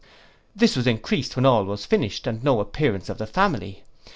This was encreased when all was finished, and no appearance of the family.